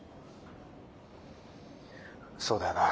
そうだよな。